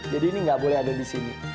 jadi ini nggak boleh ada disini